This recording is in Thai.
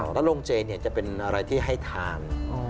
แล้วโรงเจจะเป็นอะไรที่ให้ทาน